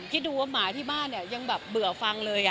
คิดดูว่าหมาที่บ้านเนี่ยยังแบบเบื่อฟังเลย